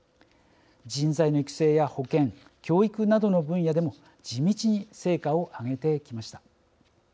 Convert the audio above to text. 人材の育成や保健教育などの分野でも地道に成果を上げてきました。